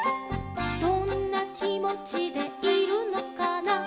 「どんなきもちでいるのかな」